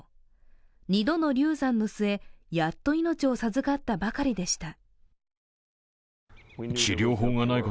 ２度の流産の末やっと命を授かったばかりでした。